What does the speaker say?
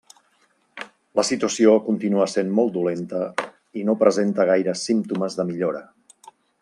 La situació continua essent molt dolenta i no presenta gaires símptomes de millora.